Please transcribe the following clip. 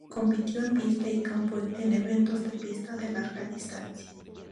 Compitió en pista y campo en eventos de pista de larga distancia.